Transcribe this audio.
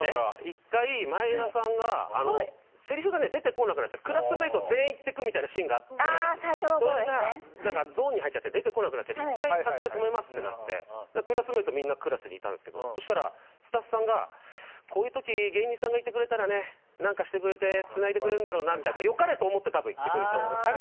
１回、前田さんがせりふが出てこなくなっちゃってクラスメイト全員が出てくるみたいなシーンがあってゾーンに入っちゃって出てこなくなっちゃって１回撮影を止めますってなってクラスメートがみんなクラスにいたんですけどスタッフさんがこういう時芸人さんがいてくれたらね何かしてくれてつないでくれるんだろうなって良かれと思っていってくれたんです。